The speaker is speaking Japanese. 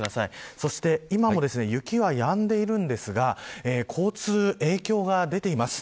そして今も雪はやんでいるんですが交通に影響が出ています。